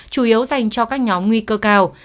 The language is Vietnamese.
chủ yếu dành cho các nhóm nguy cơ cao